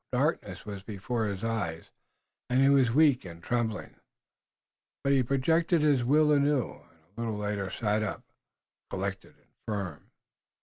Darkness was before his eyes, and he was weak and trembling, but he projected his will anew, and a little later sat upright, collected and firm.